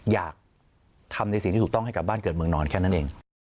อยากทำในสิ่งที่ถูกต้องให้กลับบ้านเกิดเมืองนอนแค่นั้นเอง